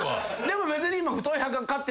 でも別に今。